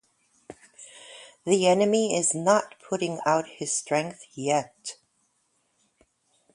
The enemy's not putting out his strength yet.